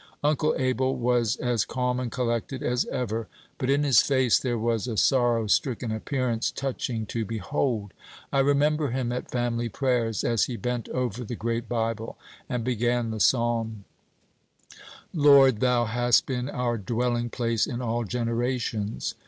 Uncle Abel was as calm and collected as ever; but in his face there was a sorrow stricken appearance touching to behold. I remember him at family prayers, as he bent over the great Bible and began the psalm, "Lord, thou hast been our dwelling place in all generations."